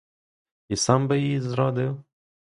І сам би її зрадив?